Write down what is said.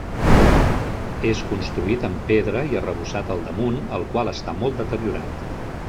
És construït amb pedra i arrebossat al damunt, el qual està molt deteriorat.